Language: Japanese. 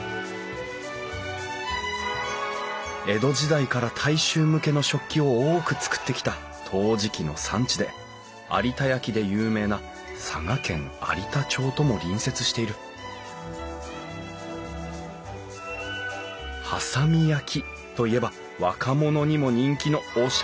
江戸時代から大衆向けの食器を多く作ってきた陶磁器の産地で有田焼で有名な佐賀県有田町とも隣接している波佐見焼といえば若者にも人気のおしゃれな器！